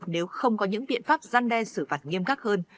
nếu không có những biện pháp gian đe xử phạt nghiêm khắc hơn